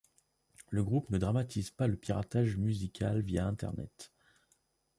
Le groupe ne dramatise pas le piratage musical via Internet.